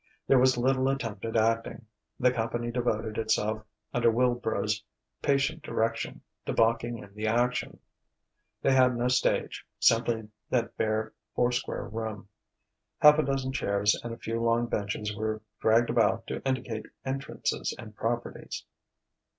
There was little attempt at acting; the company devoted itself, under Wilbrow's patient direction, to blocking in the action. They had no stage simply that bare, four square room. Half a dozen chairs and a few long benches were dragged about to indicate entrances and properties.